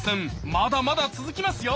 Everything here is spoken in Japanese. まだまだ続きますよ！